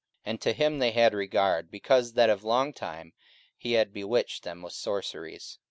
44:008:011 And to him they had regard, because that of long time he had bewitched them with sorceries.